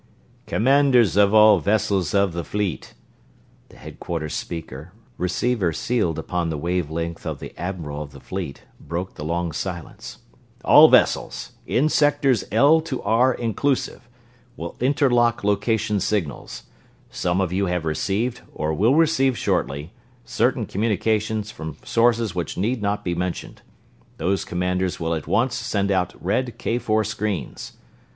"Commanders of all vessels of the Fleet!" The Headquarters speaker, receiver sealed upon the wave length of the Admiral of the Fleet, broke the long silence. "All vessels, in sectors L to R, inclusive, will interlock location signals. Some of you have received, or will receive shortly, certain communications from sources which need not be mentioned. Those commanders will at once send out red K4 screens.